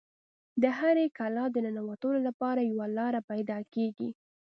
د هرې کلا د ننوتلو لپاره یوه لاره پیدا کیږي